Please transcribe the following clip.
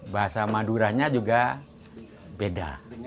bahasa maduranya juga beda